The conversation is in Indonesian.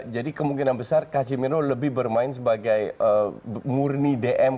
jadi kemungkinan besar casemiro lebih bermain sebagai murni dm